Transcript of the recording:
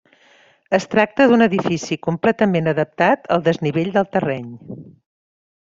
Es tracta d'un edifici completament adaptat al desnivell del terreny.